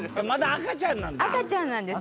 赤ちゃんなんです。